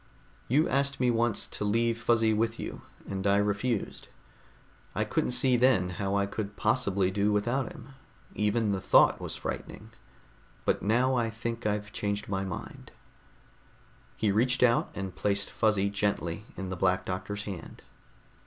"You asked me once to leave Fuzzy with you, and I refused. I couldn't see then how I could possibly do without him; even the thought was frightening. But now I think I've changed my mind." He reached out and placed Fuzzy gently in the Black Doctor's hand.